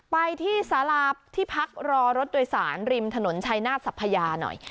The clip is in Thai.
ไปที่สาราที่พักรอรถโดยสารริมถนนชัยนาธสัพยาหน่อย